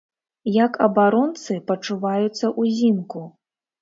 Як абаронцы пачуваюцца ўзімку?